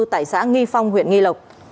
tại xã nghi phong huyện nghi lộc